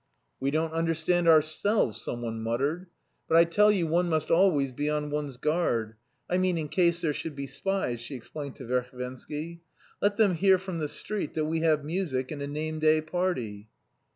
"We don't understand ourselves," someone muttered. "But I tell you one must always be on one's guard. I mean in case there should be spies," she explained to Verhovensky. "Let them hear from the street that we have music and a name day party."